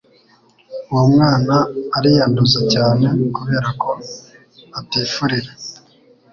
uwo mwana ariyanduza cyane kuberako atifurira